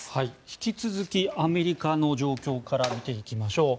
引き続きアメリカの状況から見ていきましょう。